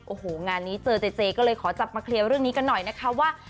โอ้โหงานนี้เจอเจเจก็เลยขอจับมาเคลียร์เรื่องนี้กันหน่อยนะคะว่า